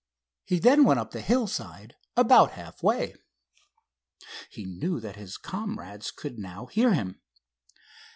He then went up the hillside about half way. He knew that his comrades could now hear him.